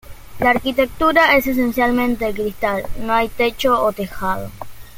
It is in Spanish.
La arquitectura es esencialmente de cristal, no hay techo o tejado.